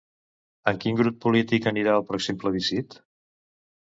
Amb quin grup polític anirà al pròxim plebiscit?